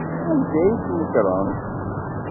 Anda ay d-nekrent?